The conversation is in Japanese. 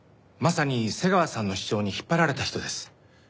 まさに瀬川さんの主張に引っ張られた人です。